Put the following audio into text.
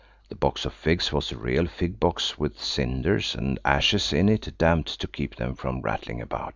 The box of figs was a real fig box with cinders and ashes in it damped to keep them from rattling about.